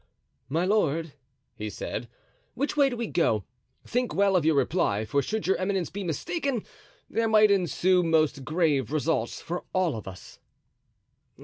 "My lord," he said, "which way do we go? Think well of your reply, for should your eminence be mistaken, there might ensue most grave results for all of us."